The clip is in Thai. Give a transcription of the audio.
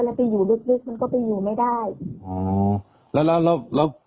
แล้วไปอยู่ลึกลึกมันก็ไปอยู่ไม่ได้อืมแล้วแล้วแล้วแล้ว